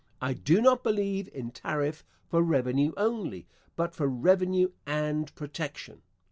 I do not believe in tariff for revenue only, but for revenue and protection.